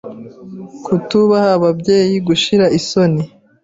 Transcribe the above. Kutubaha ababyeyi, gushira isoni,